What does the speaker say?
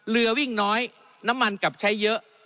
เรือวิ่งน้อยน้ำมันกลับใช้เยอะ